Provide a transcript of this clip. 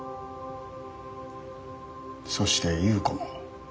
そして夕子も。